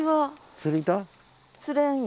釣れんよ。